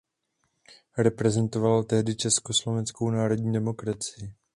Reprezentoval tehdy Československou národní demokracii.